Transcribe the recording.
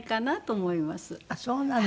ああそうなの？